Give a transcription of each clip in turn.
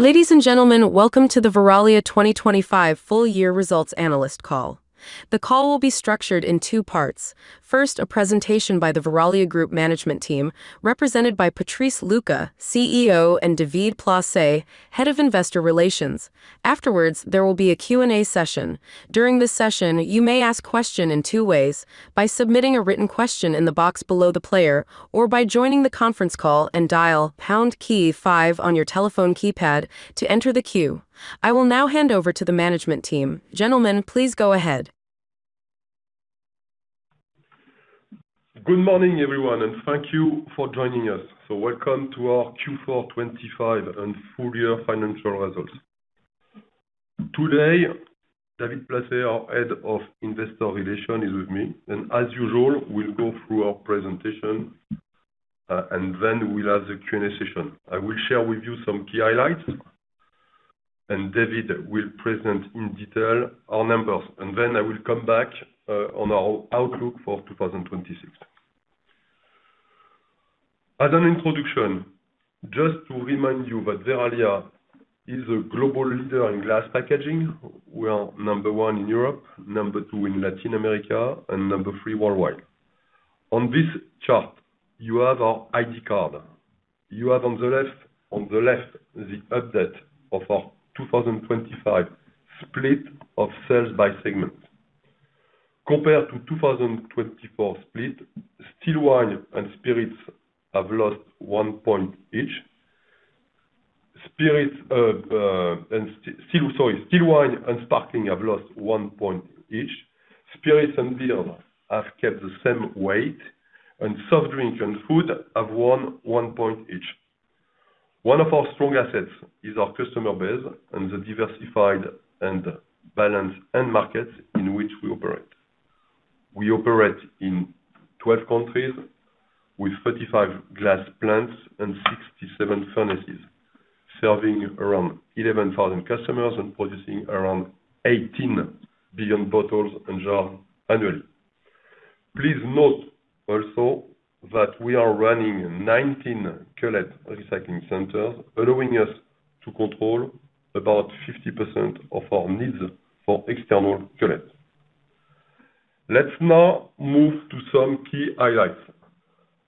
Ladies and gentlemen, welcome to the Verallia 2025 full year results analyst call. The call will be structured in two parts. First, a presentation by the Verallia Group management team, represented by Patrice Lucas, CEO, and David Placet, Head of Investor Relations. Afterwards, there will be a Q&A session. During this session, you may ask question in two ways, by submitting a written question in the box below the player, or by joining the conference call and dial pound key five on your telephone keypad to enter the queue. I will now hand over to the management team. Gentlemen, please go ahead. Good morning, everyone, thank you for joining us. Welcome to our Q4 2025 and full year financial results. Today, David Placet, our Head of Investor Relations, is with me, and as usual, we'll go through our presentation, then we'll have the Q&A session. I will share with you some key highlights, and David will present in detail our numbers, and then I will come back on our outlook for 2026. As an introduction, just to remind you that Verallia is a global leader in glass packaging. We are number one in Europe, number two in Latin America, and number three worldwide. On this chart, you have our ID card. You have on the left, the update of our 2025 split of sales by segment. Compared to 2024 split, still wine and spirits have lost 1 point each. still wine and sparkling have lost 1 point each. Spirits and beer have kept the same weight, and soft drink and food have won 1 point each. One of our strong assets is our customer base and the diversified and balanced end markets in which we operate. We operate in 12 countries with 35 glass plants and 67 furnaces, serving around 11,000 customers and producing around 18 billion bottles and jars annually. Please note also that we are running 19 cullet recycling centers, allowing us to control about 50% of our needs for external cullet. Let's now move to some key highlights,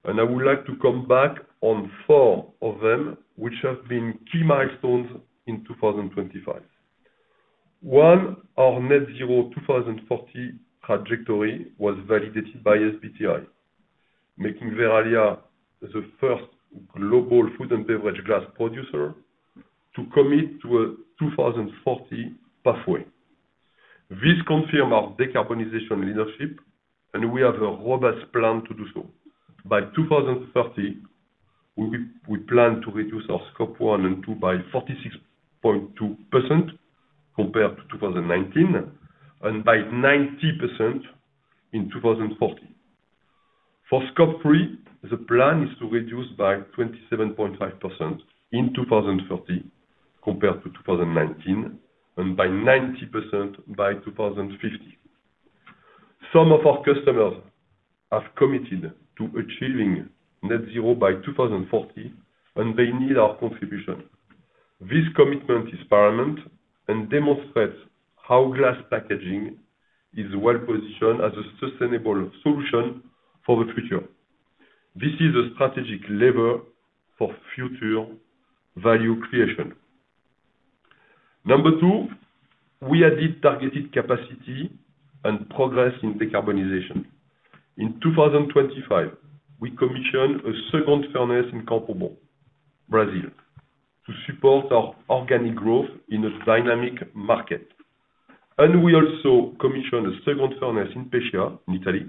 and I would like to come back on four of them, which have been key milestones in 2025. One, our net zero 2040 trajectory was validated by SBTi, making Verallia the first global food and beverage glass producer to commit to a 2040 pathway. This confirms our decarbonization leadership, and we have a robust plan to do so. By 2030, we plan to reduce our Scope 1 and 2 by 46.2% compared to 2019, and by 90% in 2040. For Scope 3, the plan is to reduce by 27.5% in 2030 compared to 2019, and by 90% by 2050. Some of our customers have committed to achieving net zero by 2040, and they need our contribution. This commitment is paramount and demonstrates how glass packaging is well positioned as a sustainable solution for the future. This is a strategic lever for future value creation. Number two, we added targeted capacity and progress in decarbonization. In 2025, we commissioned a second furnace in Campo Largo, Brazil, to support our organic growth in a dynamic market. We also commissioned a second furnace in Pescia, Italy,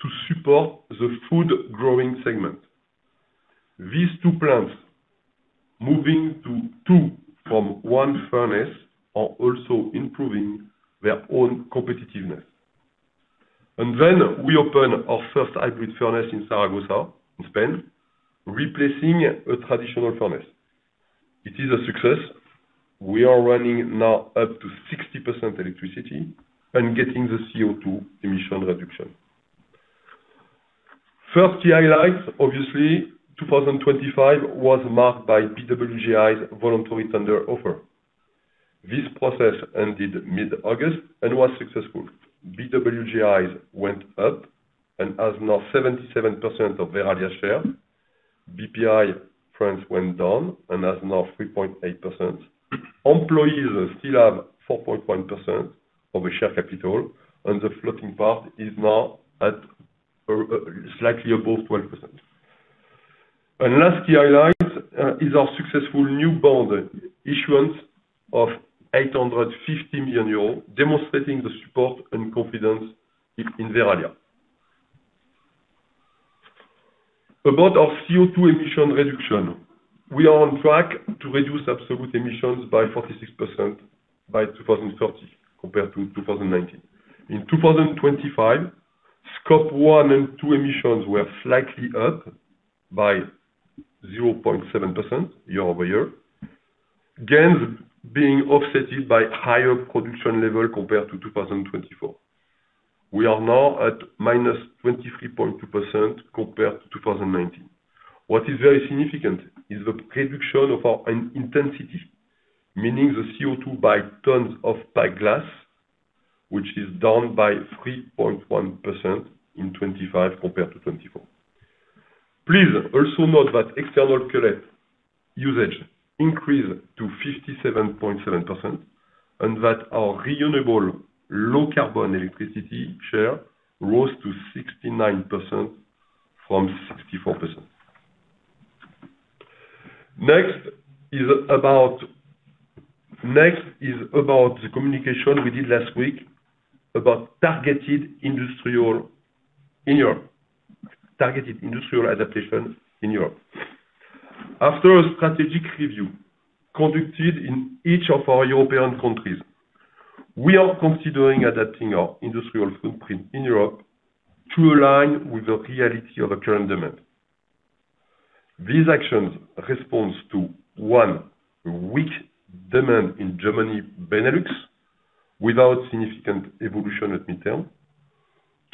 to support the food growing segment. These two plants, moving to two from one furnace, are also improving their own competitiveness. Then we opened our first hybrid furnace in Zaragoza, in Spain, replacing a traditional furnace. It is a success. We are running now up to 60% electricity and getting the CO2 emission reduction. First, the highlights. Obviously, 2025 was marked by BWGI's voluntary tender offer. This process ended mid-August and was successful. BWGI went up and has now 77% of Verallia share. Bpifrance went down and has now 3.8%. Employees still have 4.1% of the share capital, and the floating part is now at slightly above 12%. Last key highlight is our successful new bond issuance of 850 million euros, demonstrating the support and confidence in Verallia. About our CO2 emission reduction, we are on track to reduce absolute emissions by 46% by 2030 compared to 2019. In 2025, Scope 1 and 2 emissions were slightly up by 0.7% year-over-year, gains being offsetted by higher production level compared to 2024. we are now at -23.2% compared to 2019. What is very significant is the reduction of our in-intensity, meaning the CO2 by tons of flat glass, which is down by 3.1% in 25 compared to 24. Please also note that external credit usage increased to 57.7%, and that our renewable low carbon electricity share rose to 69% from 64%. Next is about the communication we did last week about targeted industrial adaptation in Europe. After a strategic review conducted in each of our European countries, we are considering adapting our industrial footprint in Europe to align with the reality of the current demand. These actions responds to one, weak demand in Germany, Benelux, without significant evolution at midterm.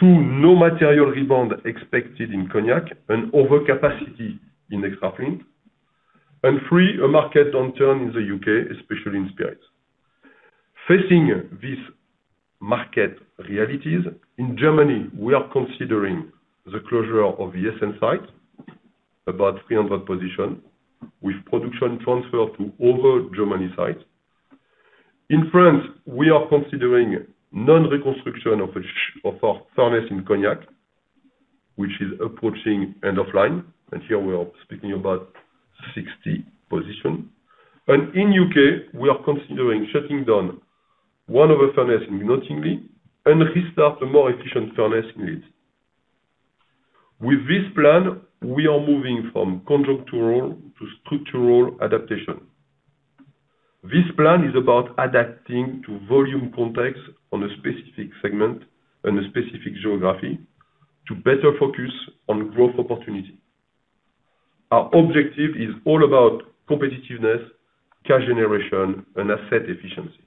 Two, no material rebound expected in Cognac and overcapacity in extra flint. And three, a market downturn in the U.K., especially in spirits. Facing these market realities, in Germany, we are considering the closure of the Essen site, about 300 position, with production transferred to other Germany sites. In France, we are considering non-reconstruction of our furnace in Cognac, which is approaching end of line, and here we are speaking about 60 position. In U.K., we are considering shutting down one of our furnace in Knottingley and restart a more efficient furnace in Leeds. With this plan, we are moving from contractual to structural adaptation. This plan is about adapting to volume context on a specific segment and a specific geography to better focus on growth opportunity. Our objective is all about competitiveness, cash generation, and asset efficiency.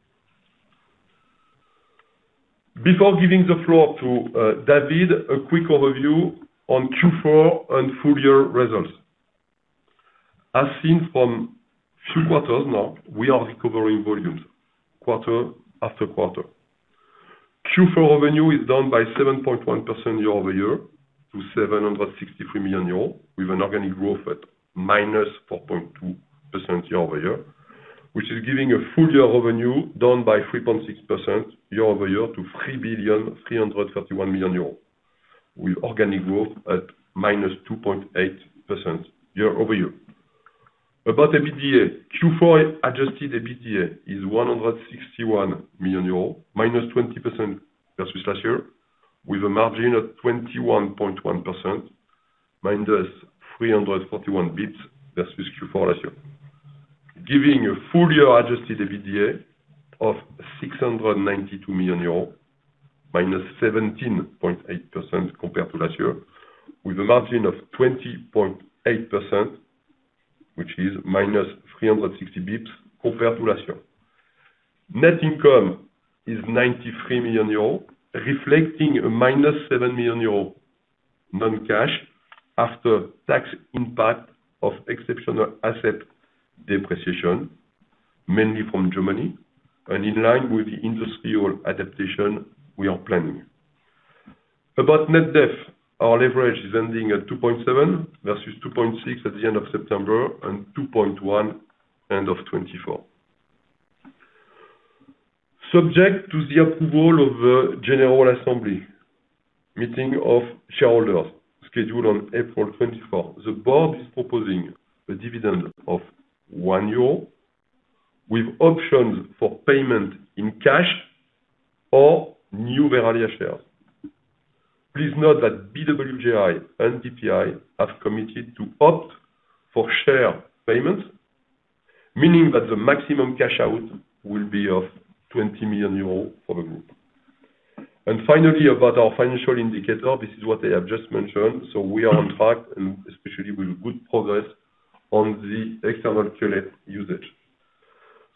Before giving the floor to David, a quick overview on Q4 and full year results. As seen from 3 quarters now, we are recovering volumes quarter after quarter. Q4 revenue is down by 7.1% year-over-year to 763 million euros, with an organic growth at -4.2% year-over-year, which is giving a full year revenue down by 3.6% year-over-year to 3,331 million euros, with organic growth at -2.8% year-over-year. About EBITDA, Q4 adjusted EBITDA is 161 million euros, -20% versus last year, with a margin of 21.1%, -341 bps versus Q4 last year. Giving a full year adjusted EBITDA of 692 million euros, -17.8% compared to last year, with a margin of 20.8%, which is -360 bps compared to last year. Net income is 93 million euros, reflecting a minus 7 million euros non-cash after tax impact of exceptional asset depreciation, mainly from Germany and in line with the industrial adaptation we are planning. About net debt, our leverage is ending at 2.7 versus 2.6 at the end of September and 2.1, end of 2024. Subject to the approval of the general assembly meeting of shareholders scheduled on April 24th, the board is proposing a dividend of 1 euro, with option for payment in cash or new Verallia shares. Please note that BWGI and BPI have committed to opt for share payment, meaning that the maximum cash out will be of 20 million euros for the group. Finally, about our financial indicator, this is what I have just mentioned. We are on track and especially with good progress on the external credit usage.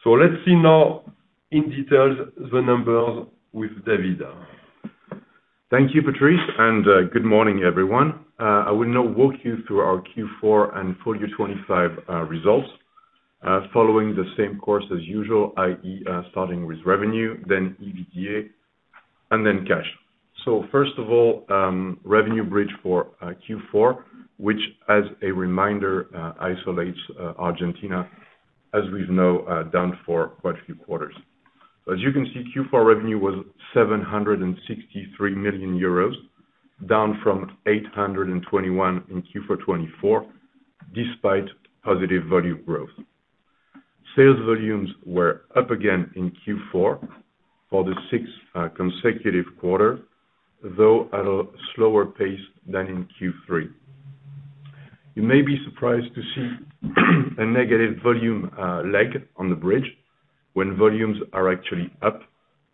Let's see now in detail the numbers with David. Thank you, Patrice, and good morning, everyone. I will now walk you through our Q4 and full year 2025 results, following the same course as usual, i.e., starting with revenue, then EBITDA, and then cash. First of all, revenue bridge for Q4, which as a reminder, isolates Argentina, as we've know, down for quite a few quarters. As you can see, Q4 revenue was 763 million euros, down from 821 in Q4 2024, despite positive volume growth. Sales volumes were up again in Q4 for the sixth consecutive quarter, though at a slower pace than in Q3. You may be surprised to see a negative volume lag on the bridge when volumes are actually up.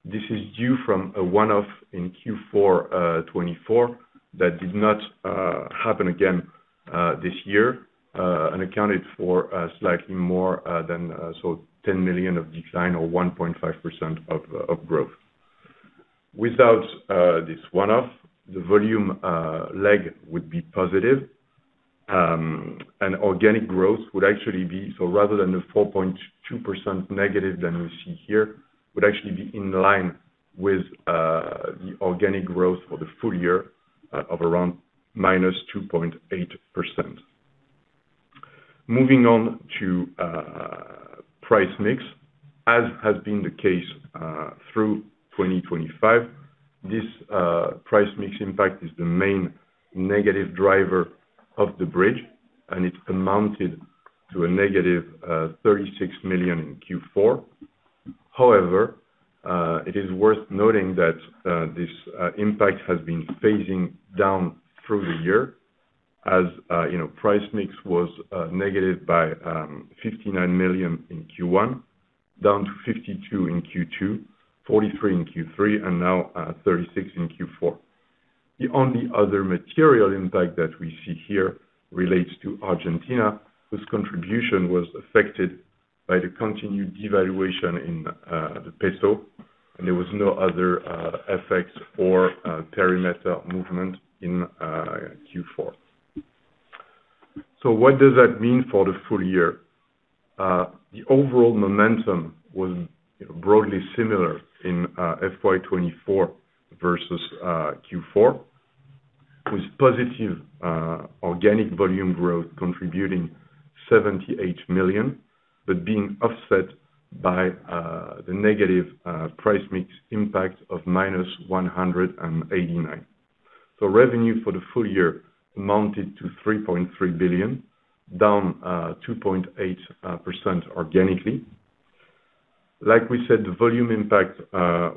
This is due from a one-off in Q4 2024. That did not happen again this year and accounted for slightly more than 10 million of decline or 1.5% of growth. Without this one-off, the volume leg would be positive, and organic growth rather than the 4.2% negative than we see here, would actually be in line with the organic growth for the full year of around -2.8%. Moving on to price mix. As has been the case through 2025, this price mix impact is the main negative driver of the bridge, and it's amounted to a negative 36 million in Q4. It is worth noting that this impact has been phasing down through the year, as you know, price mix was negative by 59 million in Q1, down to 52 million in Q2, 43 million in Q3, and now 36 million in Q4. The only other material impact that we see here relates to Argentina, whose contribution was affected by the continued devaluation in the peso, and there was no other effects or perimeter movement in Q4. What does that mean for the full year? The overall momentum was broadly similar in FY 2024 versus Q4, with positive organic volume growth contributing 78 million, but being offset by the negative price mix impact of minus 189 million. Revenue for the full year amounted to 3.3 billion, down 2.8% organically. Like we said, the volume impact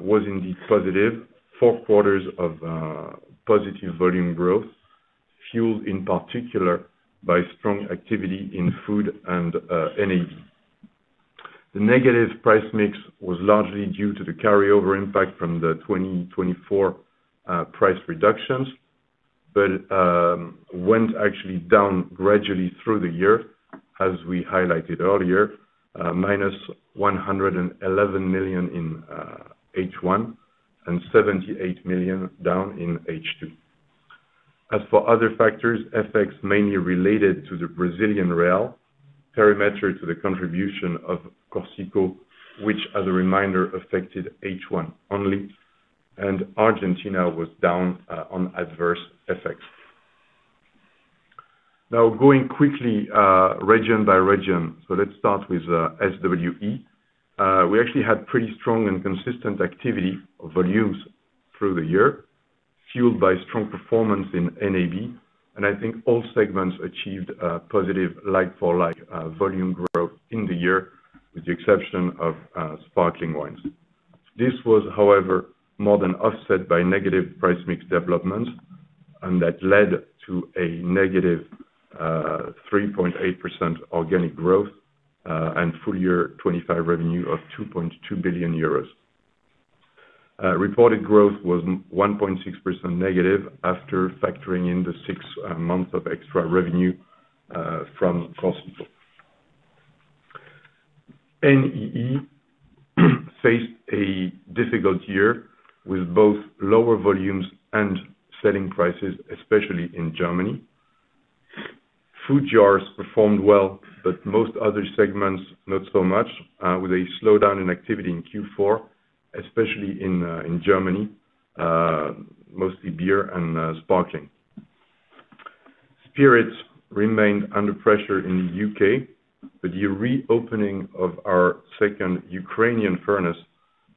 was indeed positive. Four quarters of positive volume growth, fueled in particular by strong activity in food and NAB. The negative price mix was largely due to the carryover impact from the 2024 price reductions, went actually down gradually through the year, as we highlighted earlier, -111 million in H1 and 78 million down in H2. As for other factors, effects mainly related to the Brazilian real, parametric to the contribution of Corsico, which, as a reminder, affected H1 only, and Argentina was down on adverse effects. Going quickly, region by region. Let's start with SWE. We actually had pretty strong and consistent activity of volumes through the year, fueled by strong performance in NAB, and I think all segments achieved a positive like for like volume growth in the year, with the exception of sparkling wines. This was, however, more than offset by negative price mix developments, and that led to a negative 3.8% organic growth, and full year 2025 revenue of 2.2 billion euros. Reported growth was 1.6% negative after factoring in the 6 months of extra revenue from Corsico. NEE faced a difficult year with both lower volumes and selling prices, especially in Germany. Food jars performed well, but most other segments, not so much, with a slowdown in activity in Q4, especially in Germany, mostly beer and sparkling. Spirits remained under pressure in the U.K., but the reopening of our second Ukrainian furnace,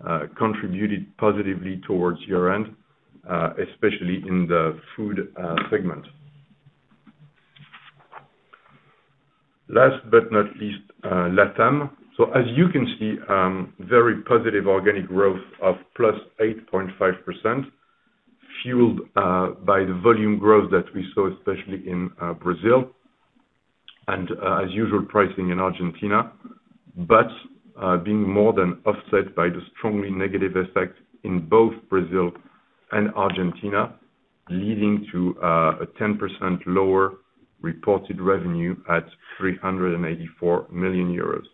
uh, contributed positively towards year-end, uh, especially in the food, uh, segment. Last but not least, uh, Latam. So as you can see, um, very positive organic growth of plus eight point five percent, fueled, uh, by the volume growth that we saw, especially in, uh, Brazil, and, uh, as usual, pricing in Argentina. But, uh, being more than offset by the strongly negative effect in both Brazil and Argentina, leading to, uh, a ten percent lower reported revenue at three hundred and eighty-four million euros.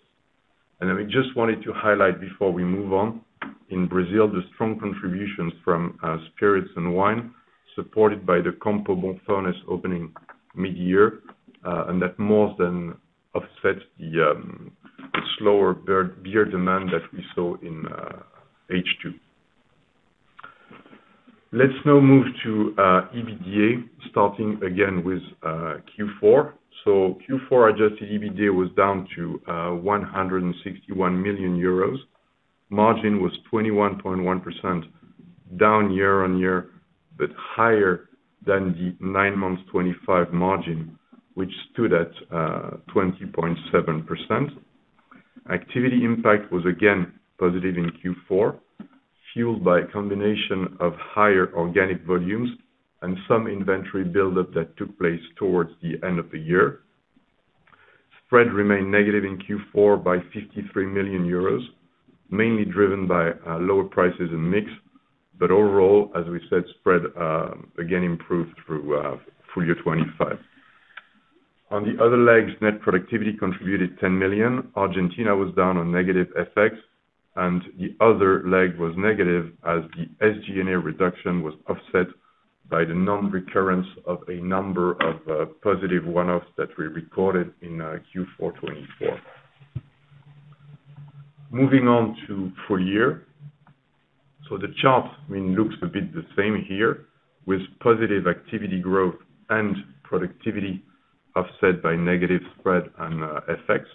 And I just wanted to highlight before we move on, in Brazil, the strong contributions from, uh, spirits and wine, supported by the Jacutinga furnace opening mid-year, uh, and that more than offset the, um, the slower beer, beer demand that we saw in, uh, H2. Let's now move to EBITDA, starting again with Q4. Q4 adjusted EBITDA was down to 161 million euros. Margin was 21.1% down year-on-year, but higher than the nine months 2025 margin, which stood at 20.7%. Activity impact was again positive in Q4, fueled by a combination of higher organic volumes and some inventory buildup that took place towards the end of the year. Spread remained negative in Q4 by 53 million euros, mainly driven by lower prices and mix. Overall, as we said, spread again improved through full year 2025. On the other legs, net productivity contributed 10 million. Argentina was down on negative FX, the other leg was negative as the SG&A reduction was offset by the non-recurrence of a number of positive one-offs that we recorded in Q4 2024. Moving on to full year. The chart, I mean, looks a bit the same here, with positive activity growth and productivity offset by negative spread and FX.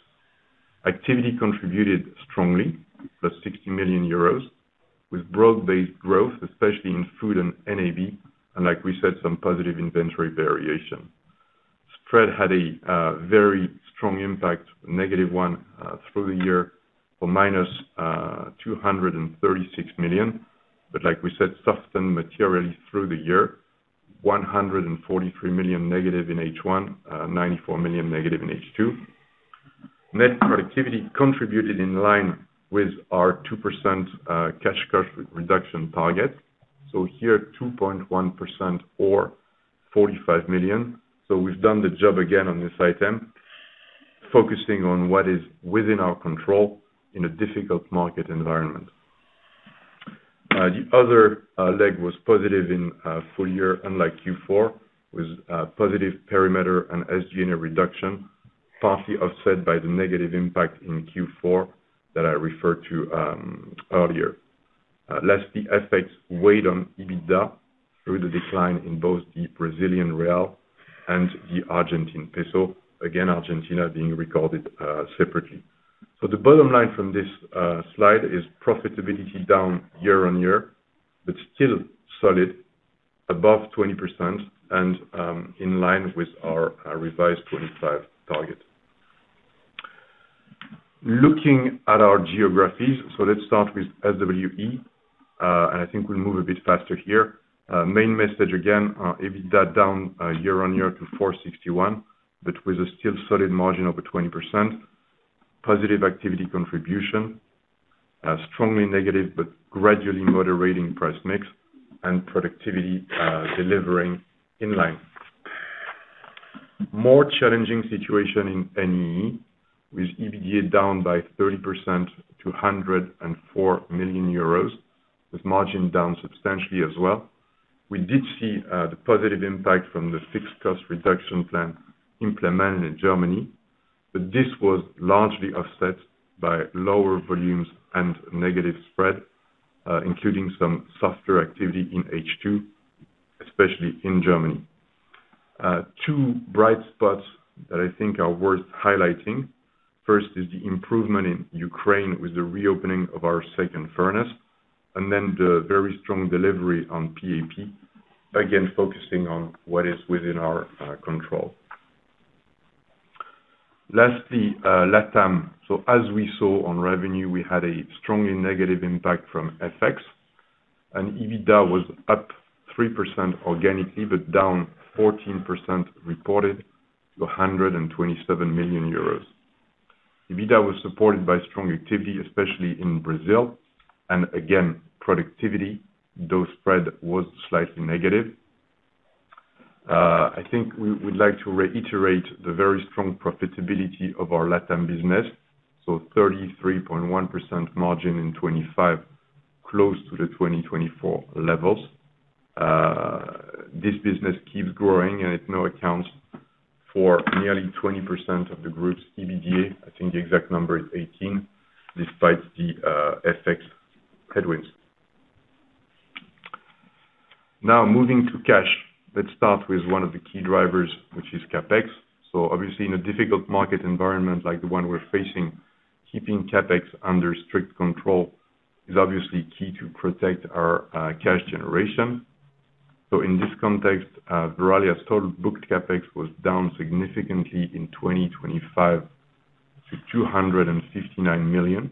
Activity contributed strongly, +60 million euros, with broad-based growth, especially in food and NAV, and like we said, some positive inventory variation. Spread had a very strong impact, -1, through the year for -236 million. Like we said, softened materially through the year, -143 million in H1, -94 million in H2. Net productivity contributed in line with our 2% cash cost reduction target, here 2.1% or 45 million. We've done the job again on this item, focusing on what is within our control in a difficult market environment. The other leg was positive in full year, unlike Q4, with positive perimeter and SG&A reduction, partly offset by the negative impact in Q4 that I referred to earlier. Last, the effects weighed on EBITDA through the decline in both the Brazilian real and the Argentine peso. Again, Argentina being recorded separately. The bottom line from this slide is profitability down year-on-year, but still solid, above 20% and in line with our revised 2025 target. Looking at our geographies, let's start with SWE, and I think we'll move a bit faster here. Main message again, EBITDA down year-on-year to 461 million, but with a still solid margin of over 20%. Positive activity contribution, strongly negative, but gradually moderating price mix and productivity, delivering in line. More challenging situation in NEE, with EBITDA down by 30% to 104 million euros, with margin down substantially as well. We did see the positive impact from the fixed cost reduction plan implemented in Germany, but this was largely offset by lower volumes and negative spread, including some softer activity in H2, especially in Germany. Two bright spots that I think are worth highlighting, first is the improvement in Ukraine with the reopening of our second furnace, the very strong delivery on PAP, again, focusing on what is within our control. Lastly, Latam. As we saw on revenue, we had a strongly negative impact from FX, and EBITDA was up 3% organically, but down 14% reported to 127 million euros. EBITDA was supported by strong activity, especially in Brazil, and again, productivity, though spread was slightly negative. I think we would like to reiterate the very strong profitability of our Latam business, so 33.1% margin in 2025, close to the 2024 levels. This business keeps growing, and it now accounts for nearly 20% of the group's EBITDA. I think the exact number is 18, despite the FX headwinds. Moving to cash. Let's start with one of the key drivers, which is CapEx. Obviously, in a difficult market environment like the one we're facing, keeping CapEx under strict control is obviously key to protect our cash generation. In this context, Verallia's total booked CapEx was down significantly in 2025 to 259 million,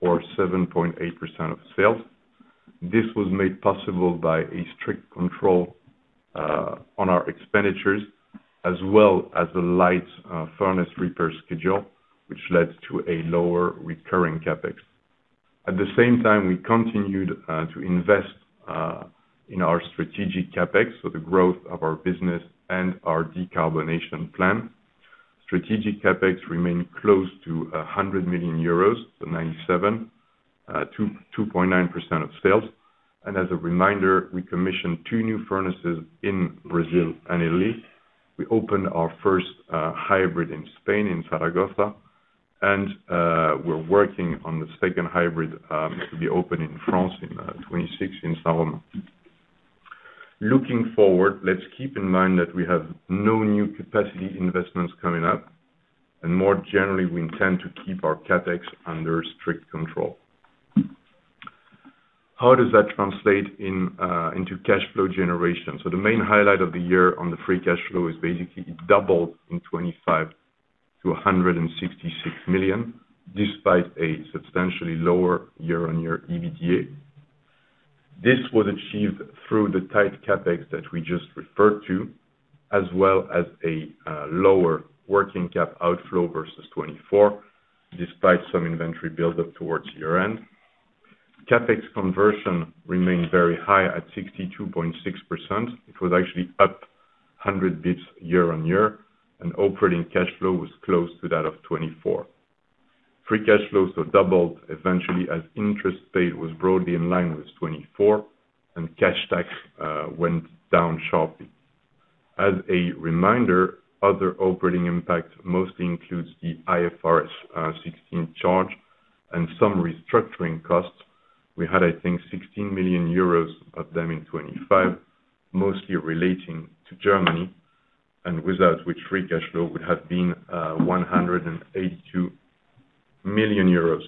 or 7.8% of sales. This was made possible by a strict control on our expenditures, as well as the light furnace repair schedule, which led to a lower recurring CapEx. We continued to invest in our strategic CapEx, so the growth of our business and our decarbonation plan. Strategic CapEx remained close to 100 million euros, so 97, 2.9% of sales. As a reminder, we commissioned 2 new furnaces in Brazil and Italy. We opened our first hybrid in Spain, in Zaragoza, and we're working on the second hybrid to be opened in France in 2026, in Saint-Romain-le-Puy. Looking forward, let's keep in mind that we have no new capacity investments coming up, and more generally, we intend to keep our CapEx under strict control. How does that translate in into cash flow generation? The main highlight of the year on the free cash flow is basically it doubled in 2025 to 166 million, despite a substantially lower year-on-year EBITDA. This was achieved through the tight CapEx that we just referred to, as well as a lower working cap outflow versus 2024, despite some inventory buildup towards year-end. CapEx conversion remained very high at 62.6%. It was actually up 100 basis points year-on-year. Operating cash flow was close to that of 2024. Free cash flows were doubled eventually, as interest paid was broadly in line with 2024. Cash tax went down sharply. As a reminder, other operating impact mostly includes the IFRS 16 charge and some restructuring costs. We had, I think, 16 million euros of them in 2025, mostly relating to Germany, without which free cash flow would have been 182 million euros.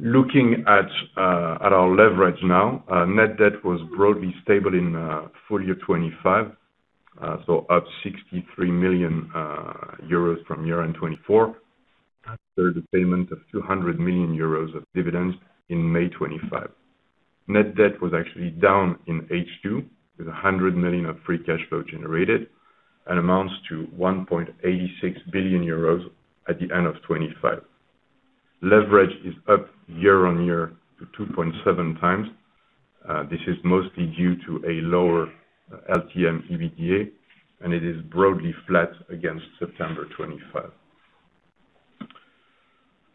Looking at our leverage now, net debt was broadly stable in full year 2025. Up 63 million euros from year-end 2024, after the payment of 200 million euros of dividends in May 2025. Net debt was actually down in H2, with 100 million of free cash flow generated, and amounts to 1.86 billion euros at the end of 2025. Leverage is up year-on-year to 2.7x. This is mostly due to a lower LTM EBITDA, and it is broadly flat against September 2025.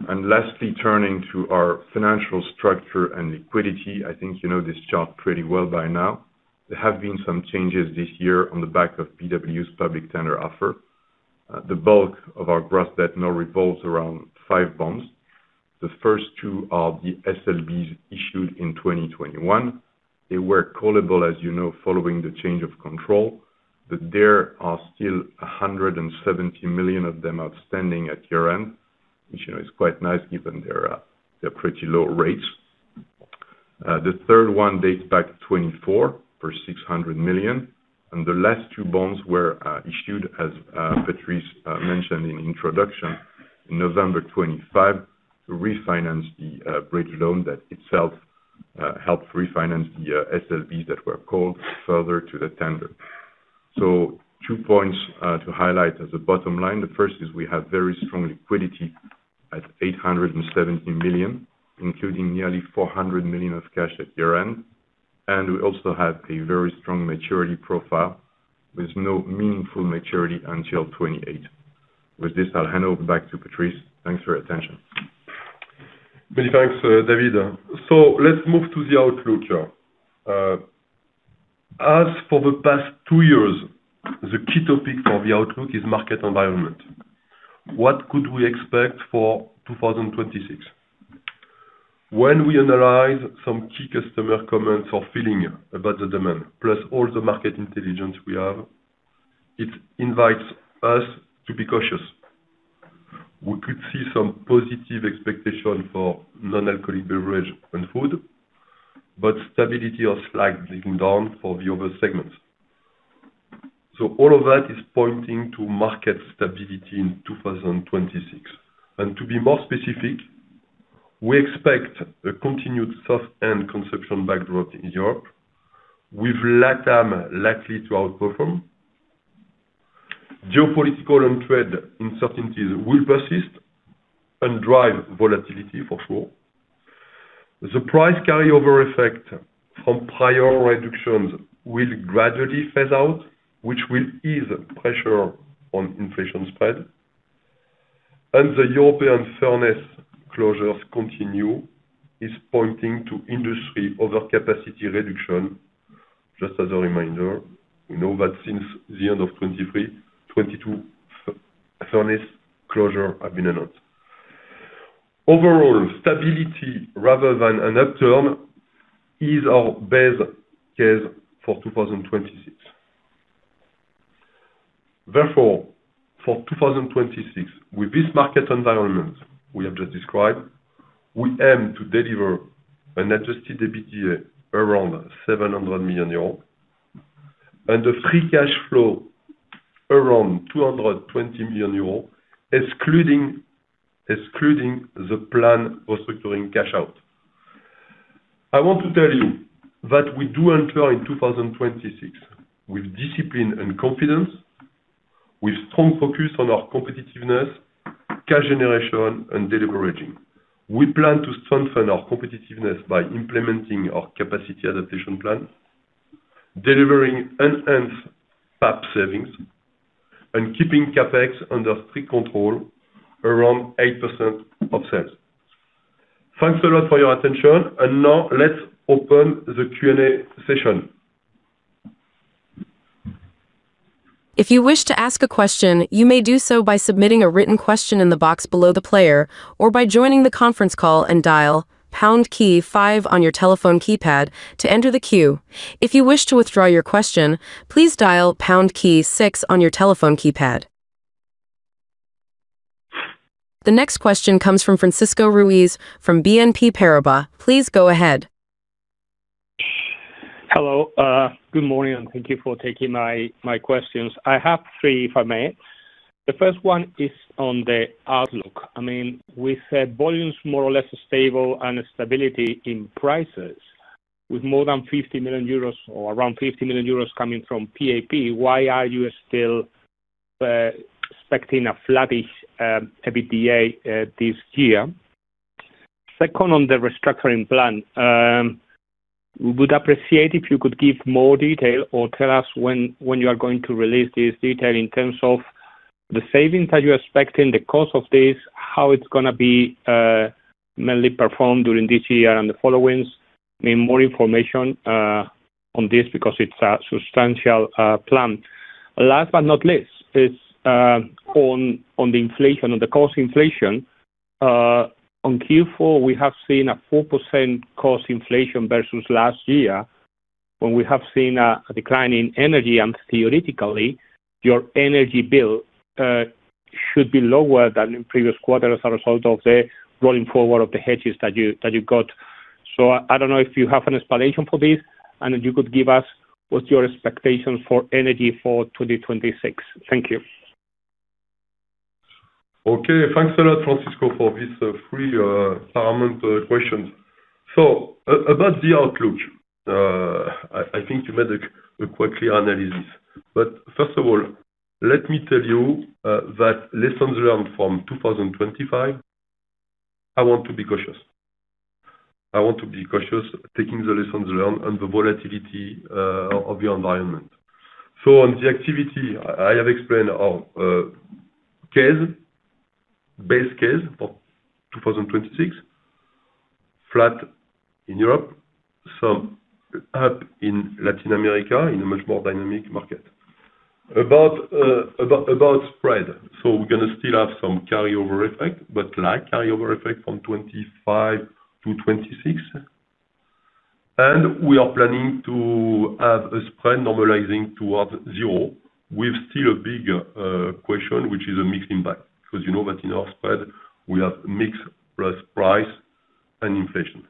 Lastly, turning to our financial structure and liquidity. I think you know this chart pretty well by now. There have been some changes this year on the back of BWGI's public tender offer. The bulk of our gross debt now revolves around five bonds. The first two are the SLBs issued in 2021. They were callable, as you know, following the change of control. There are still 170 million of them outstanding at year-end, which, you know, is quite nice, given they're pretty low rates. The third one dates back to 2024 for 600 million. The last two bonds were issued, as Patrice mentioned in introduction, in November 2025, to refinance the bridge loan that itself helped refinance the SLBs that were called further to the tender. Two points to highlight as a bottom line. The first is we have very strong liquidity at 870 million, including nearly 400 million of cash at year-end. We also have a very strong maturity profile with no meaningful maturity until 2028. With this, I'll hand over back to Patrice. Thanks for your attention. Many thanks, David. Let's move to the outlook here. As for the past two years, the key topic for the outlook is market environment. What could we expect for 2026? When we analyze some key customer comments or feeling about the demand, plus all the market intelligence we have, it invites us to be cautious. We could see some positive expectation for non-alcoholic beverage and food, but stability or slightly down for the other segments. All of that is pointing to market stability in 2026. To be more specific, we expect a continued soft and consumption backdrop in Europe, with Latam likely to outperform. Geopolitical and trade uncertainties will persist and drive volatility for sure. The price carryover effect from prior reductions will gradually phase out, which will ease pressure on inflation spread. The European furnace closures continue, is pointing to industry overcapacity reduction. Just as a reminder, we know that since the end of 2023, 22 furnace closure have been announced. Overall, stability rather than an upturn is our base case for 2026. Therefore, for 2026, with this market environment we have just described, we aim to deliver an adjusted EBITDA around 700 million euros, and a free cash flow around 220 million euros, excluding the plan for structuring cash out. I want to tell you that we do enter in 2026 with discipline and confidence, with strong focus on our competitiveness, cash generation, and deleveraging. We plan to strengthen our competitiveness by implementing our capacity adaptation plan, delivering enhanced PAP savings, and keeping CapEx under strict control around 8% of sales. Thanks a lot for your attention, and now let's open the Q&A session. If you wish to ask a question, you may do so by submitting a written question in the box below the player, or by joining the conference call and dial pound key five on your telephone keypad to enter the queue. If you wish to withdraw your question, please dial pound key six on your telephone keypad. The next question comes from Francisco Ruiz, from BNP Paribas. Please go ahead. Hello, good morning, and thank you for taking my questions. I have three, if I may. The first one is on the outlook. I mean, we said volumes more or less stable and stability in prices, with more than 50 million euros or around 50 million euros coming from PAP, why are you still expecting a flattish EBITDA this year? Second, on the restructuring plan, we would appreciate if you could give more detail or tell us when you are going to release this detail in terms of the savings that you're expecting, the cost of this, how it's gonna be mainly performed during this year and the followings. Need more information on this because it's a substantial plan. Last but not least, is on the inflation, on the cost inflation. On Q4, we have seen a 4% cost inflation versus last year, when we have seen a decline in energy, and theoretically, your energy bill should be lower than in previous quarters as a result of the rolling forward of the hedges that you got. I don't know if you have an explanation for this, and if you could give us what's your expectation for energy for 2026. Thank you. Okay. Thanks a lot, Francisco, for this three paramount questions. About the outlook, I think you made a quite clear analysis. First of all, let me tell you, that lessons learned from 2025, I want to be cautious. I want to be cautious, taking the lessons learned and the volatility of the environment. On the activity, I have explained our base case for 2026, flat in Europe, some up in Latin America, in a much more dynamic market. About spread, we're gonna still have some carryover effect, but light carryover effect from 25 to 26. We are planning to have a spread normalizing towards 0, with still a bigger question, which is a mixed impact. Because you know that in our spread, we have mix plus price and inflation.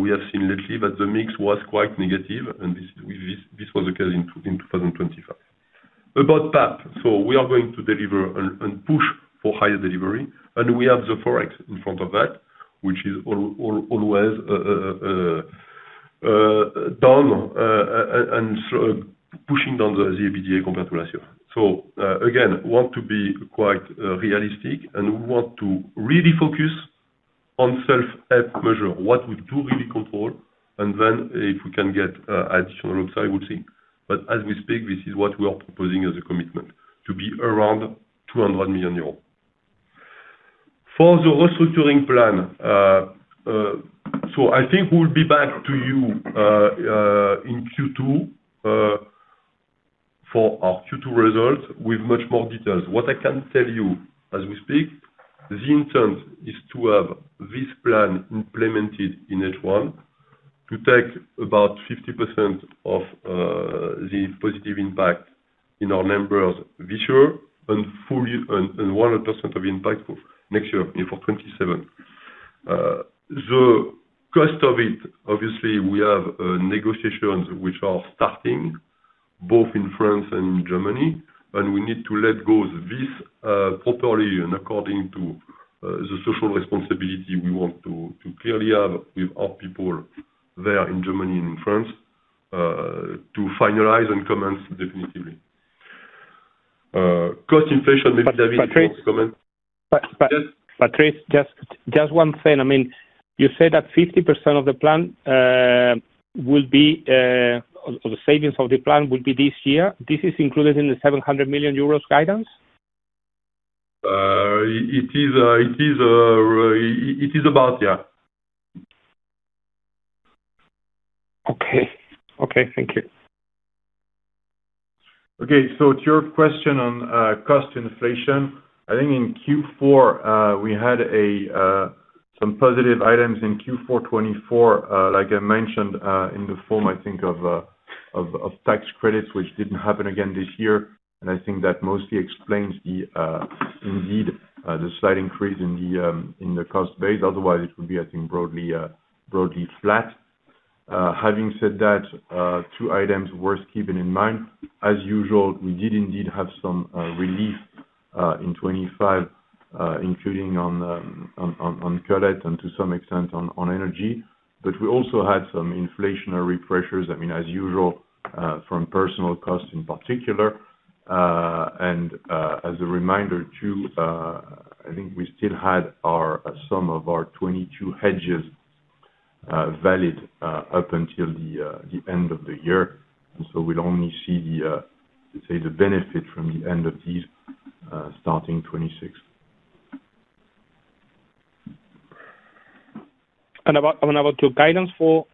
We have seen lately that the mix was quite negative, this was the case in 2025. About PAP, we are going to deliver and push for higher delivery, we have the Forex in front of that, which is always down, pushing down the EBITDA compared to last year. Again, want to be quite realistic, we want to really focus on self-help measure, what we do really control, if we can get additional upside, I would think. As we speak, this is what we are proposing as a commitment, to be around 200 million euros. For the restructuring plan, I think we'll be back to you in Q2 for our Q2 results with much more details. What I can tell you as we speak, the intent is to have this plan implemented in H1, to take about 50% of the positive impact in our members this year, and fully, and 100% of the impact of next year, I mean, for 2027. The cost of it, we have negotiations which are starting both in France and in Germany, and we need to let go this properly and according to the social responsibility we want to clearly have with our people there in Germany and in France, to finalize and commence definitively. Cost inflation, maybe David, you want to comment. Patrice? Yes. Patrice, just one thing. I mean, you said that 50% of the plan will be or the savings of the plan will be this year. This is included in the 700 million euros guidance? It is about, yeah. Okay. Okay, thank you. Okay, to your question on cost inflation. I think in Q4, we had some positive items in Q4 2024, like I mentioned, in the form, I think, of tax credits, which didn't happen again this year. I think that mostly explains the, indeed, the slight increase in the cost base. Otherwise, it would be, I think, broadly flat. Having said that, two items worth keeping in mind. As usual, we did indeed have some relief in 25, including on credit and to some extent on energy. We also had some inflationary pressures, I mean, as usual, from personal costs in particular. As a reminder, I think we still had our, some of our 22 hedges, valid, up until the end of the year. We'd only see the, let's say, the benefit from the end of these, starting 26. About your guidance for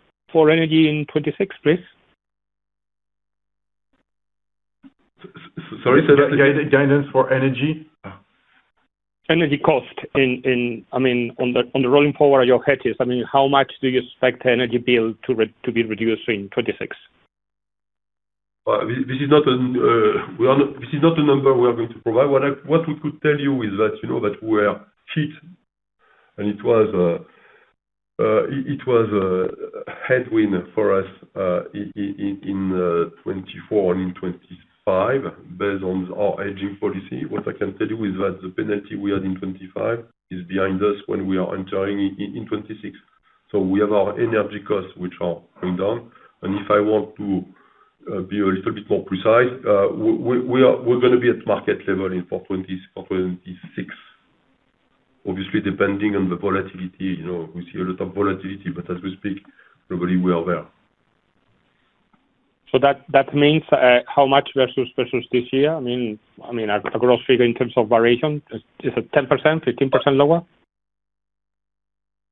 energy in 2026, please? Sorry, say that again, guidance for energy? Energy cost in, I mean, on the rolling forward, your hedges. I mean, how much do you expect the energy bill to be reduced in 2026? This is not a number we are going to provide. What we could tell you is that, you know, that we are fit, and it was a headwind for us in 2024 and in 2025, based on our aging policy. What I can tell you is that the penalty we had in 2025 is behind us when we are entering in 2026. We have our energy costs, which are coming down. If I want to be a little bit more precise, we're gonna be at market level for 2026. Obviously, depending on the volatility, you know, we see a lot of volatility. As we speak, probably we are there. That means how much versus this year? I mean, a gross figure in terms of variation. Is it 10%, 15% lower?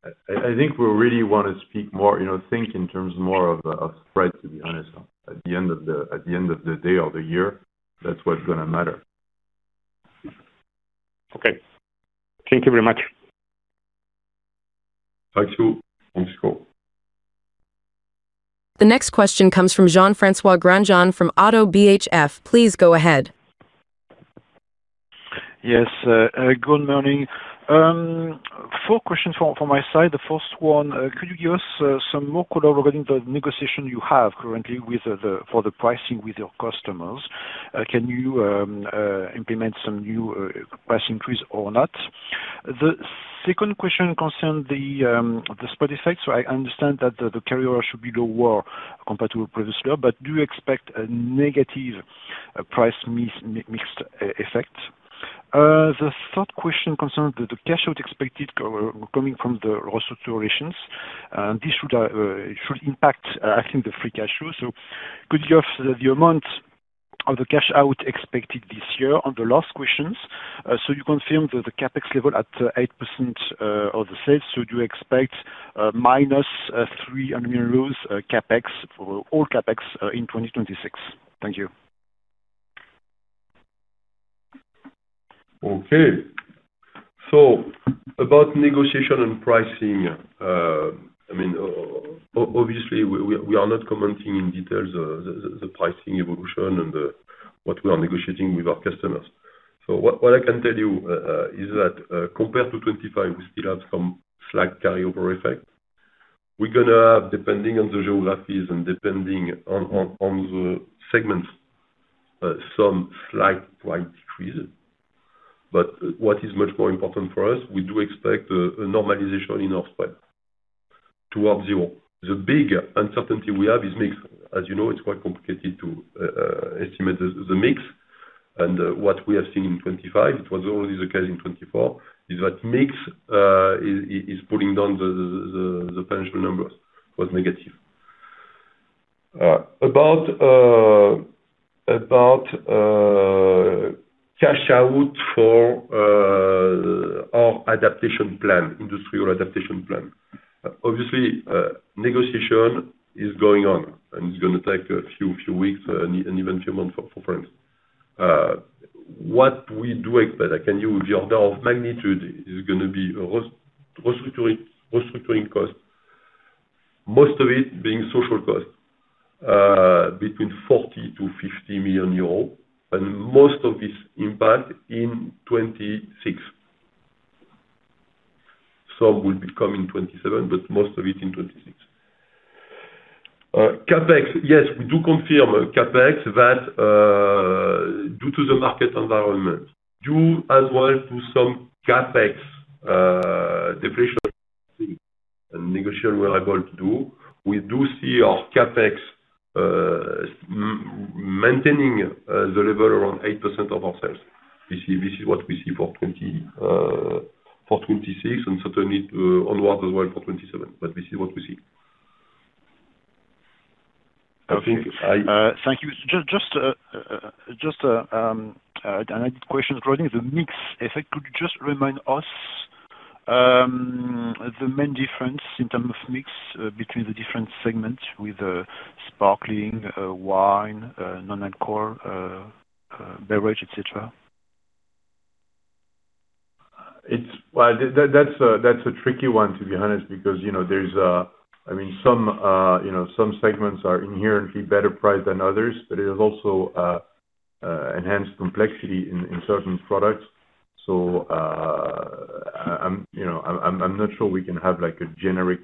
I think we really want to speak more, you know, think in terms more of spread, to be honest. At the end of the day or the year, that's what's gonna matter. Okay. Thank you very much. Thank you. Thanks, Francisco. The next question comes from Jean-François Granjon from Oddo BHF. Please go ahead. Yes, good morning. Four questions from my side. The first one, could you give us some more color regarding the negotiation you have currently for the pricing with your customers? Can you implement some new price increase or not? The second question concern the spot effect. I understand that the carrier should be lower compared to previous year, but do you expect a negative price mix, mixed effect? The third question concerned the cashout expected coming from the restructurations, and this should impact, I think, the free cash flow. Could you give the amount of the cash out expected this year? On the last questions, you confirm that the CapEx level at 8% of the sales. Do you expect minus 300 million CapEx for all CapEx in 2026? Thank you. Okay. About negotiation and pricing, I mean, obviously, we are not commenting in details the pricing evolution and what we are negotiating with our customers. What I can tell you is that compared to 2025, we still have some slight carryover effect. We're gonna have, depending on the geographies and depending on the segments, some slight decreases. What is much more important for us, we do expect a normalization in our spread towards zero. The big uncertainty we have is mix. As you know, it's quite complicated to estimate the mix and what we have seen in 2025, it was already the case in 2024, is that mix is pulling down the potential numbers was negative. About cash out for our adaptation plan, industrial adaptation plan. Obviously, negotiation is going on, it's going to take a few weeks and even few months for friends. What we do expect, I can give you the order of magnitude, is going to be a restructuring cost, most of it being social cost, between 40 million-50 million euros, most of this impact in 2026. Some will be coming in 2027, most of it in 2026. CapEx, yes, we do confirm CapEx that, due to the market environment, due as well to some CapEx depreciation and negotiation we are able to do. We do see our CapEx maintaining the level around 8% of our sales. This is what we see for 20 for 2026 and certainly onwards as well for 2027. This is what we see. I think. Thank you. Just a related question regarding the mix. If you could just remind us, the main difference in terms of mix between the different segments with the sparkling wine, non-alcohol beverage, et cetera? Well, that's a tricky one, to be honest, because, you know, there's I mean, some, you know, some segments are inherently better priced than others, but it is also enhanced complexity in certain products. I'm, you know, I'm not sure we can have, like, a generic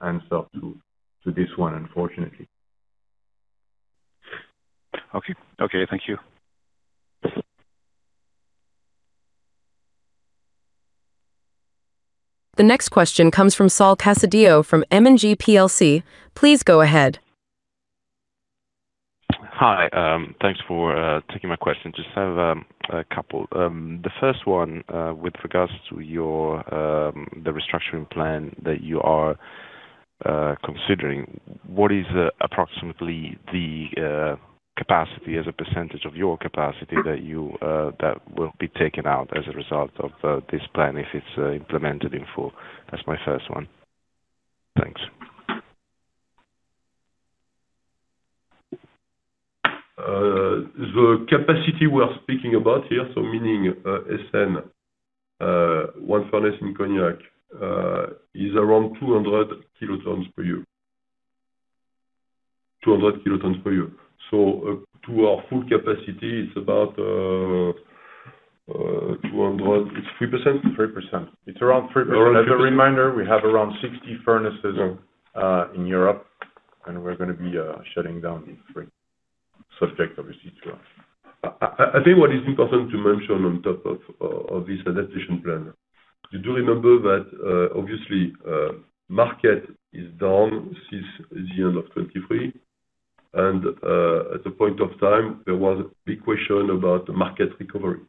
answer to this one, unfortunately. Okay. Okay, thank you. The next question comes from Saul Casadio from M&G plc. Please go ahead. Hi, thanks for taking my question. Just have a couple. The first one, with regards to your, the restructuring plan that you are considering. What is approximately the capacity as a percentage of your capacity that will be taken out as a result of this plan, if it's implemented in full? That's my first one. Thanks. The capacity we are speaking about here, so meaning, one furnace in Cognac, is around 200 kilotons per year. 200 kilotons per year. To our full capacity, it's about, it's 3%? 3%. It's around 3%. As a reminder, we have around 60 furnaces, in Europe, and we're gonna be, shutting down these 3, subject, obviously, to us. I think what is important to mention on top of this adaptation plan, you do remember that obviously, market is down since the end of 23, at the point of time, there was a big question about the market recovery.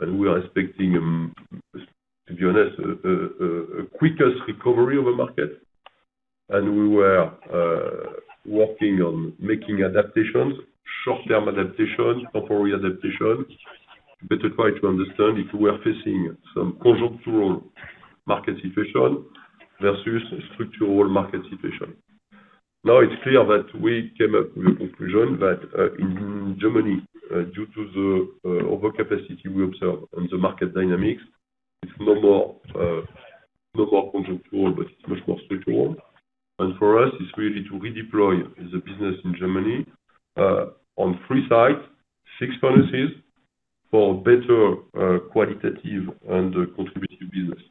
We are expecting, to be honest, a quickest recovery of the market. We were working on making adaptations, short-term adaptations, temporary adaptation, but to try to understand if we are facing some contractual market situation versus structural market situation. Now, it's clear that we came up with a conclusion that in Germany, due to the overcapacity we observed on the market dynamics, it's no more contractual, but it's much more structural. For us, it's really to redeploy the business in Germany on three sides, six furnaces for better qualitative and contributive business.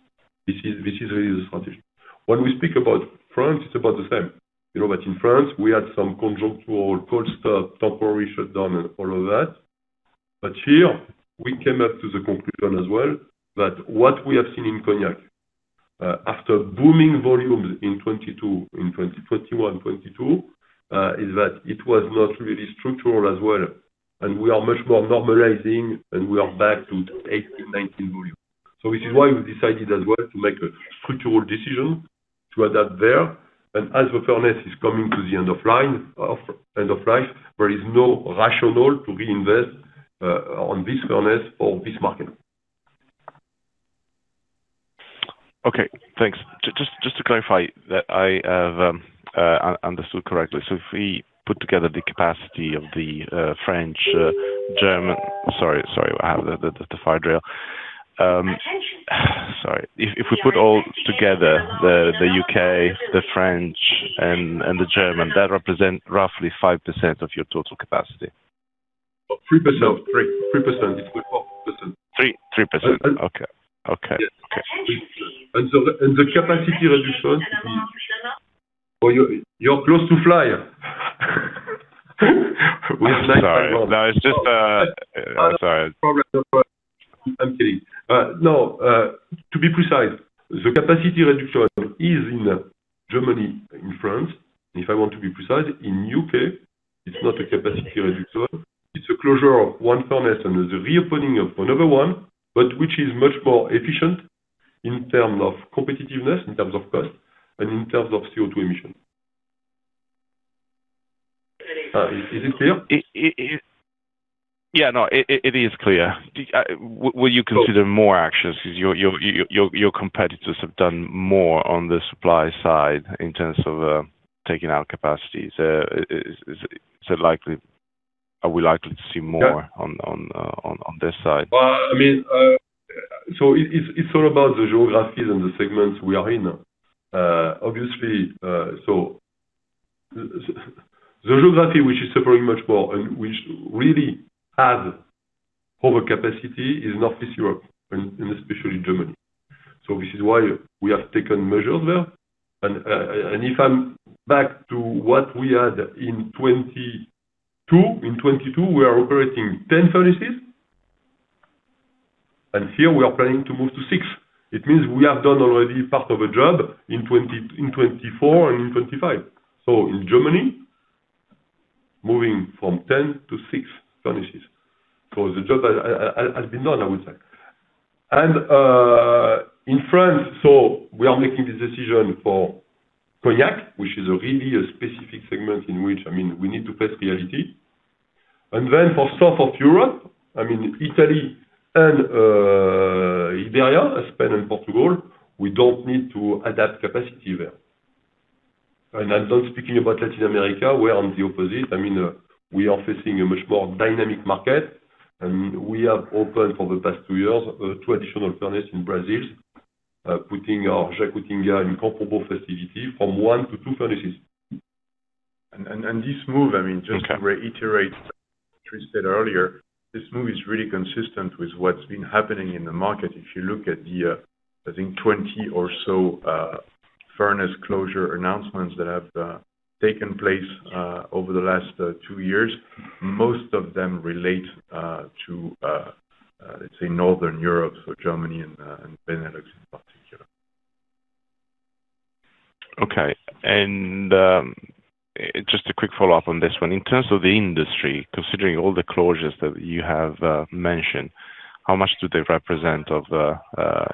This is really the strategy. When we speak about France, it's about the same. You know that in France, we had some contractual cold stuff, temporary shutdown and all of that. Here, we came up to the conclusion as well that what we have seen in Cognac after booming volumes in 2022, in 2021, 2022, is that it was not really structural as well, and we are much more normalizing, and we are back to 2018, 2019 volume. This is why we decided as well to make a structural decision to adapt there. As the furnace is coming to the end of line, end of life, there is no rationale to reinvest on this furnace or this market. Okay, thanks. Just to clarify that I have understood correctly. If we put together the capacity of the French, German sorry, I have the fire drill. Sorry, if we put all together, the U.K., the French and the German, that represent roughly 5% of your total capacity? 3%.00 3%. It's 3%. 3%. Okay. Okay. And the capacity reduction. Oh, you're close to fly? Sorry. No, it's just i'm sorry. I'm kidding. No, to be precise, the capacity reduction is in Germany and France. If I want to be precise, in U.K., it's not a capacity reduction, it's a closure of one furnace and the reopening of another one, but which is much more efficient in terms of competitiveness, in terms of cost, and in terms of CO2 emissions. Is it clear? Yeah, no, it is clear. Will you consider more actions? Your competitors have done more on the supply side in terms of taking out capacity. Are we likely to see more on this side? Well, I mean, it's all about the geographies and the segments we are in. Obviously, the geography, which is suffering much more and which really has overcapacity, is in office Europe and especially in Germany. This is why we have taken measures there. If I'm back to what we had in 2022, in 2022, we are operating 10 furnaces, and here we are planning to move to 6. It means we have done already part of a job in 2024 and in 2025. In Germany, moving from 10 to 6 furnaces. The job has been done, I would say. In France, we are making this decision for Cognac, which is really a specific segment in which, I mean, we need to face reality. Then for South of Europe, I mean, Italy and Iberia, Spain and Portugal, we don't need to adapt capacity there. I'm not speaking about Latin America, we're on the opposite. I mean, we are facing a much more dynamic market, and we have opened for the past two years, two additional furnaces in Brazil, putting our Jacutinga in production capacity from one to two furnaces. This move, just to reiterate what we said earlier, this move is really consistent with what's been happening in the market. If you look at the I think 20 or so furnace closure announcements that have taken place over the last two years, most of them relate to, let's say, Northern Europe, so Germany and Benelux in particular. Okay. Just a quick follow-up on this one. In terms of the industry, considering all the closures that you have mentioned, how much do they represent of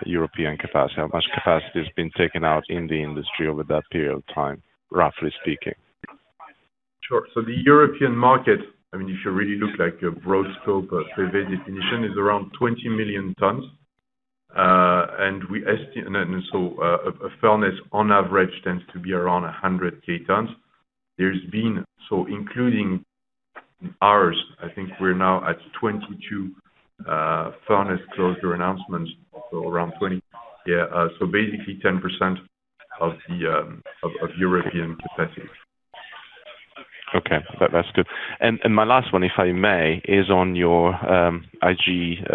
European capacity? How much capacity has been taken out in the industry over that period of time, roughly speaking? Sure. The European market, I mean, if you really look like a broad scope of private definition, is around 20 million tons. We estimate and then so, a furnace on average tends to be around 100K tons. There's been, so including ours, I think we're now at 22 furnace closure announcements. Around 20, so basically 10% of the European capacity. Okay. That's good. My last one, if I may, is on your IG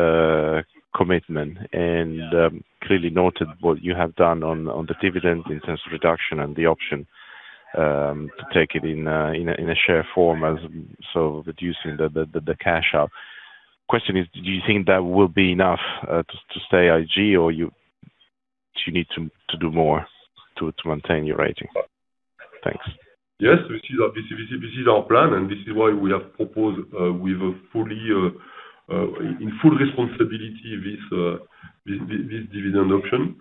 commitment, and clearly noted what you have done on the dividend in terms of reduction and the option to take it in a share form as so reducing the cash out. Question is, do you think that will be enough to stay IG, or do you need to do more to maintain your rating? Thanks. Yes, this is our plan. This is why we have proposed, with a fully, in full responsibility, this dividend option.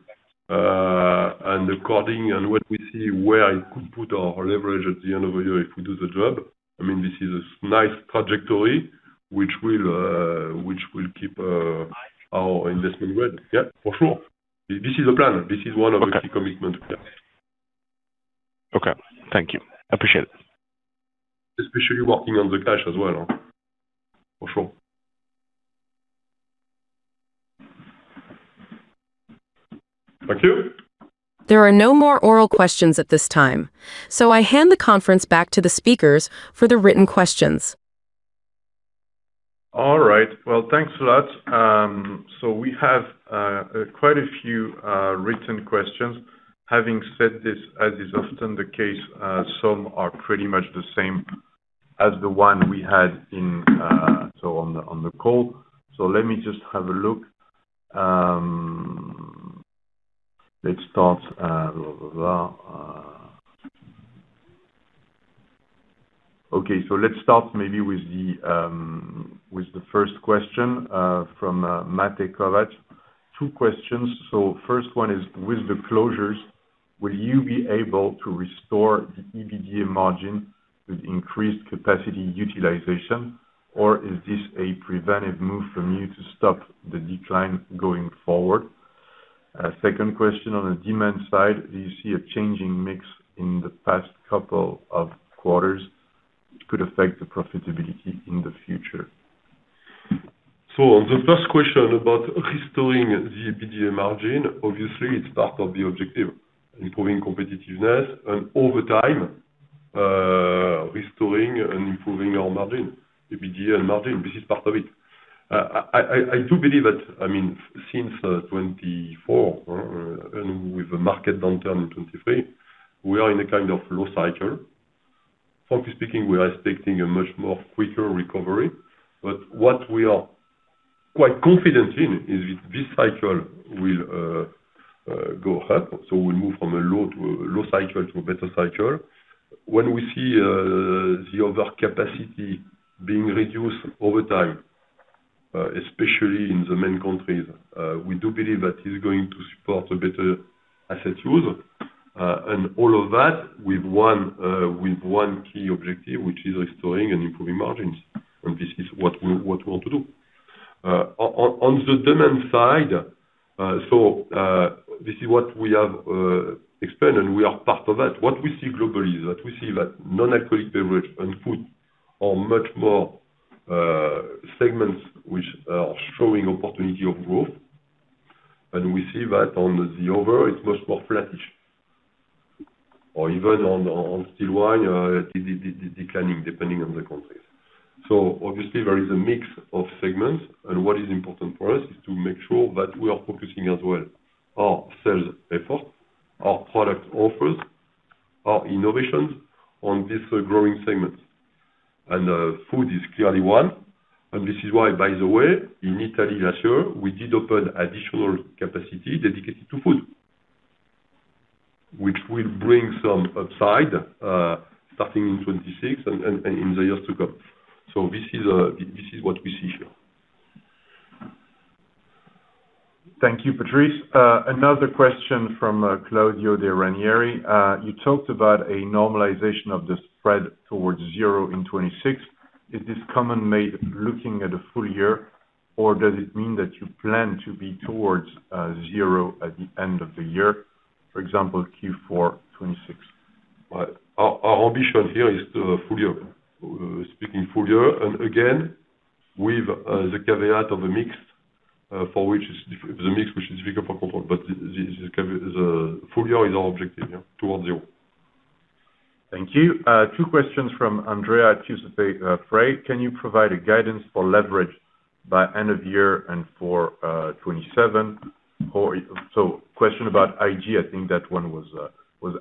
According, and when we see where it could put our leverage at the end of the year, if we do the job, I mean, this is a nice trajectory which will keep our investment grade. Yeah, for sure. This is the plan. This is one of the key commitment. Okay. Thank you. Appreciate it. Especially working on the cash as well, for sure. Thank you. There are no more oral questions at this time, so I hand the conference back to the speakers for the written questions. All right, well, thanks a lot. We have quite a few written questions. Having said this, as is often the case, some are pretty much the same as the one we had in, on the call. Let me just have a look. Okay, let's start maybe with the first question from Máté Kovács. Two questions. First one is: With the closures, will you be able to restore the EBITDA margin with increased capacity utilization, or is this a preventive move from you to stop the decline going forward? Second question, on the demand side, do you see a changing mix in the past couple of quarters which could affect the profitability in the future? On the first question about restoring the EBITDA margin, obviously it's part of the objective, improving competitiveness and over time, restoring and improving our margin, EBITDA and margin, this is part of it. I do believe that, I mean, since 2024, and with the market downturn in 2023, we are in a kind of low cycle. Frankly speaking, we are expecting a much more quicker recovery, but what we are quite confident in is that this cycle will go up. We move from a low cycle to a better cycle. When we see the over capacity being reduced over time, especially in the main countries, we do believe that it's going to support a better asset use. All of that with one key objective, which is restoring and improving margins. This is what we want to do. On the demand side, this is what we have explained, and we are part of that. What we see globally is that we see that non-alcoholic beverage and food are much more segments which are showing opportunity of growth. We see that on the overall, it's much more flattish or even on steel wine, it is declining depending on the countries. Obviously there is a mix of segments, and what is important for us is to make sure that we are focusing as well, our sales effort, our product offers, our innovations on this growing segment. Food is clearly one, and this is why, by the way, in Italy last year, we did open additional capacity dedicated to food, which will bring some upside starting in 2026 and in the years to come. This is what we see here. Thank you, Patrice. Another question from Claudio De Ranieri. You talked about a normalization of the spread towards zero in 2026. Is this comment made looking at a full year, or does it mean that you plan to be towards zero at the end of the year, for example, Q4 2026? Well, our ambition here is to full year, speaking full year, and again, with the caveat of the mix, for which is the mix, which is bigger for control, but the full year is our objective, yeah, towards zero. Thank you. Two questions from Andrea Giuseppe Frey. Can you provide a guidance for leverage by end of year and for 2027? Question about IG, I think that one was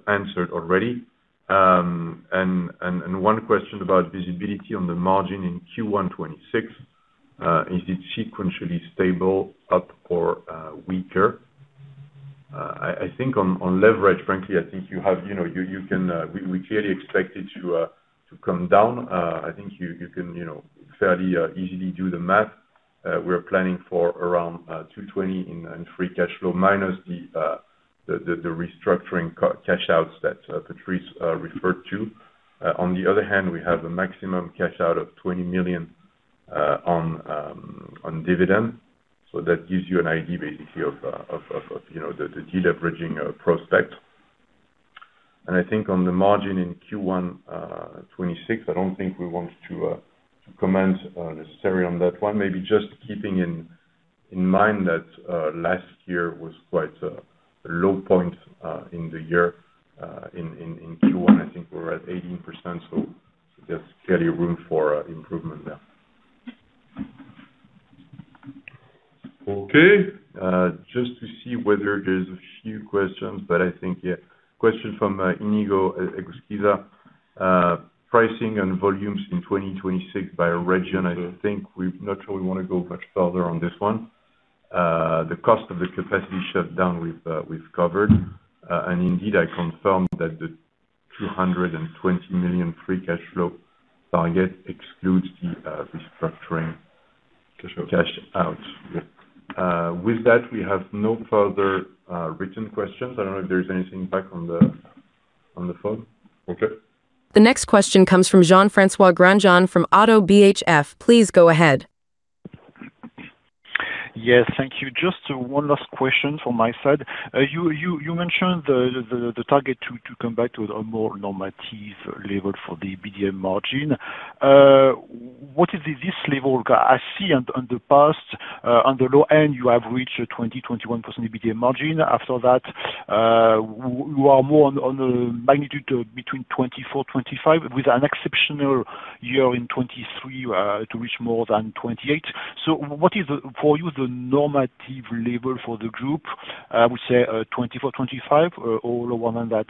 answered already. One question about visibility on the margin in Q1 2026, is it sequentially stable, up or weaker? I think on leverage, frankly, I think you have, you know, you can, we clearly expect it to come down. I think you can, you know, fairly easily do the math. We're planning for around 220 in free cash flow, minus the restructuring cash outs that Patrice referred to. On the other hand, we have a maximum cash out of 20 million on dividend. That gives you an idea basically of, you know, the deleveraging prospect. I think on the margin in Q1 2026, I don't think we want to comment necessarily on that one. Maybe just keeping in mind that last year was quite a low point in the year in Q1, I think we're at 18%, so there's clearly room for improvement there. Okay, just to see whether there's a few questions, but I think, yeah. Question from Iñigo Eguizábal. Pricing and volumes in 2026 by region? I don't think we've not sure we wanna go much further on this one. The cost of the capacity shutdown we've covered. Indeed, I confirm that the 220 million free cash flow target excludes the restructuring cash out. Yep. With that, we have no further, written questions. I don't know if there is anything back on the phone. Okay. The next question comes from Jean-François Granjon from Oddo BHF. Please go ahead. Yes, thank you. Just one last question from my side. You mentioned the target to come back to a more normative level for the EBITDA margin. What is this level? I see on the past, on the low end, you have reached a 20%-21% EBITDA margin. After that, you are more on a magnitude of between 24%-25%, with an exceptional year in 2023 to reach more than 28%. What is for you, the normative level for the group? I would say, 24%-25%, or lower than that?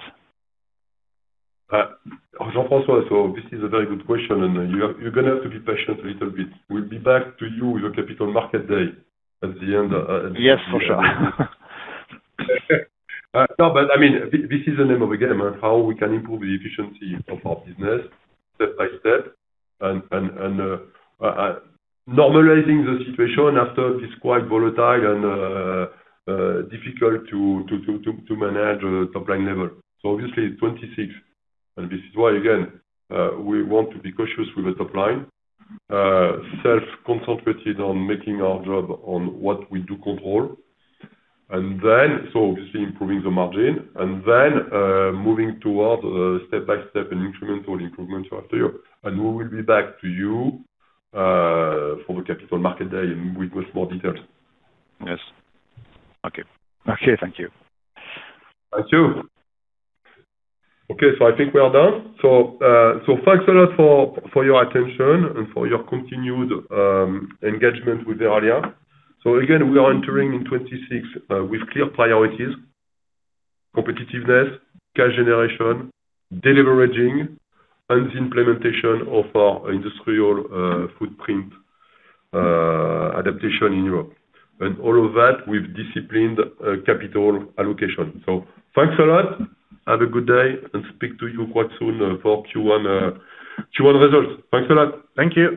Jean-François, this is a very good question. You're going to have to be patient a little bit. We'll be back to you on the capital market day at the end. Yes, for sure. No, but I mean, this is the name of the game, on how we can improve the efficiency of our business step by step. Normalizing the situation after this quite volatile and difficult to manage a top-line level. Obviously, 26, and this is why, again, we want to be cautious with the top line. Self-concentrated on making our job on what we do control. Obviously improving the margin, then moving toward step by step and incremental improvements after year. We will be back to you for the capital market day, with more details. Yes. Okay. Okay, thank you. Thank you. Okay, I think we are done. Thanks a lot for your attention and for your continued engagement with Verallia. Again, we are entering in 26 with clear priorities, competitiveness, cash generation, deleveraging, and the implementation of our industrial footprint adaptation in Europe. All of that with disciplined capital allocation. Thanks a lot. Have a good day, and speak to you quite soon for Q1 results. Thanks a lot. Thank you.